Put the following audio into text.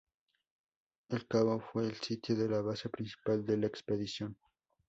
El cabo fue el sitio de la base principal de la expedición.